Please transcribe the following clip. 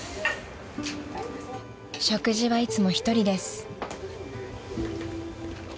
［食事はいつも１人です］